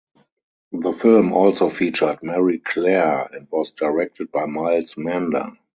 The film also featured Mary Clare and was directed by Miles Mander.